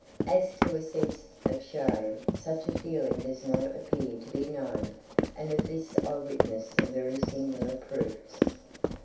As to a sense of shame, such a feeling does not appear to be known, and of this I witnessed some very singular proofs.